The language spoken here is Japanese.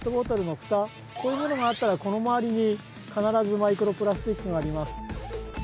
こういうものがあったらこのまわりにかならずマイクロプラスチックがあります。